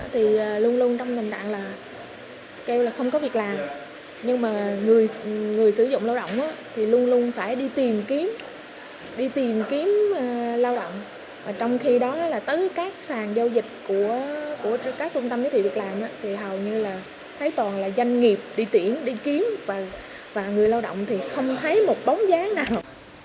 trong khi đó là tới các sản giao dịch của các trung tâm giới thiệu việc làm thì hầu như là thấy toàn là doanh nghiệp đi tiễn đi kiếm và người lao động thì không thấy một bóng dáng nào